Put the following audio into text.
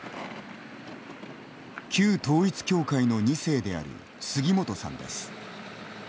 旧統一教会の２世である杉本さんです。